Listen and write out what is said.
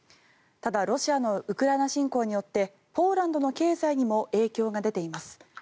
ただ、ロシアのウクライナ侵攻によってポーランドの経済にも影響が出ています。